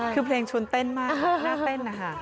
คือเพลงชวนเต้นมากน่าเต้นนะคะ